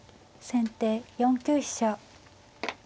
先手４九飛車。